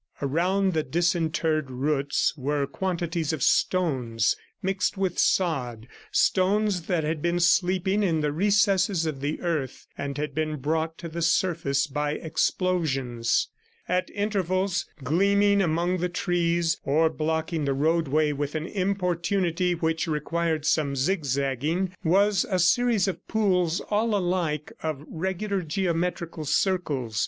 Around the disinterred roots were quantities of stones mixed with sod, stones that had been sleeping in the recesses of the earth and had been brought to the surface by explosions. At intervals gleaming among the trees or blocking the roadway with an importunity which required some zigzagging was a series of pools, all alike, of regular geometrical circles.